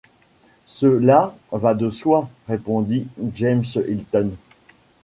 Cela va de soi! répondit James Hilton.